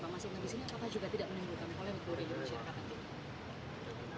tapi dengan kedatangan pak masyid disini apakah juga tidak menunggulkan kolemik di masyarakat